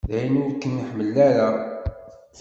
Dayen ur kem-ḥemmleɣ ara.